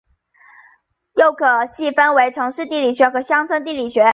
又可细分为城市地理学和乡村地理学。